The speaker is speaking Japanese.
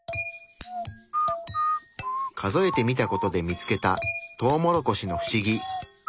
数えてみた事で見つけたトウモロコシのフシギ。